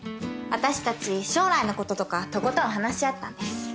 あたしたち将来のこととかとことん話し合ったんです。